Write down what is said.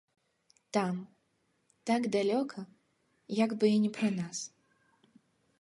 Там, так далёка, як бы і не пра нас.